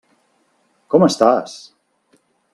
Com estàs?